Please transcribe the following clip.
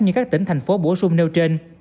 như các tỉnh thành phố bổ sung nêu trên